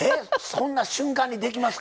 そんな瞬間にできますか？